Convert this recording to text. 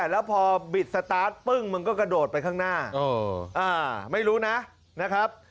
แล้วพอบิดสตาร์ทปึ้งมันก็กระโดดไปข้างหน้าไม่รู้นะนะครับ